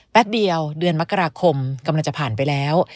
แป๊บเดียวเดือนมกราคมกำลังจะผ่านไปแล้ว